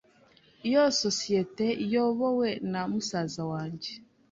Iyo sosiyete iyobowe na musaza wanjye.